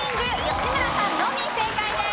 吉村さんのみ正解です。